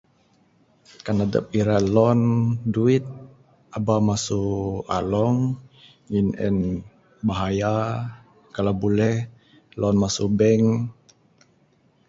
Kan adep ira loan duit aba masu ahlong ngin en bahaya kalau buleh loan masu bank.